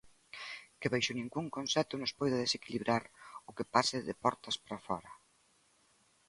Que baixo ningún concepto nos poida desequilibrar o que pase de portas para fóra.